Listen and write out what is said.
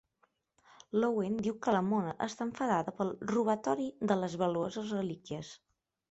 L'Owen diu que la Mona està enfadada pel "robatori" de les valuoses relíquies.